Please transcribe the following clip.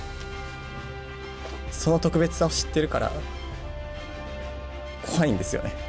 その特別さを知ってるから、怖いんですよね。